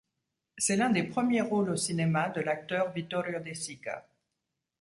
C'est l'un des premiers rôles au cinéma de l'acteur Vittorio De Sica.